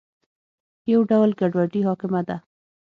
یو ډول ګډوډي حاکمه ده.